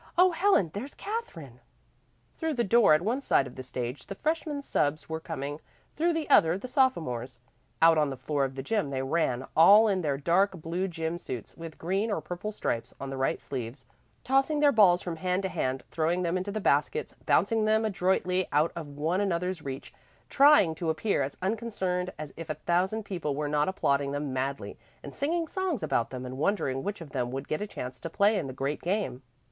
"Oh Helen, there's Katherine!" Through the door at one side of the stage the freshman subs were coming, through the other the sophomores. Out on the floor of the gym they ran, all in their dark blue gym suits with green or purple stripes on the right sleeves, tossing their balls from hand to hand, throwing them into the baskets, bouncing them adroitly out of one another's reach, trying to appear as unconcerned as if a thousand people were not applauding them madly and singing songs about them and wondering which of them would get a chance to play in the great game.